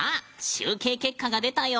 集計結果が出たよ。